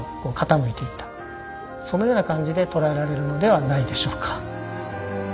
そのような感じで捉えられるのではないでしょうか。